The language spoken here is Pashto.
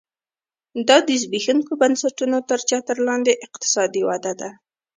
دا د زبېښونکو بنسټونو تر چتر لاندې اقتصادي وده ده